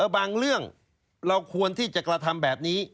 บางเรื่องเราควรที่จะกระทำแบบนี้